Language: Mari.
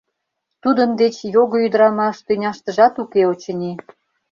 Тудын деч його ӱдырамаш тӱняштыжат уке, очыни.